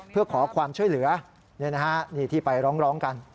เพื่อขอความช่วยเหลือนี่ที่ไปร้องกัน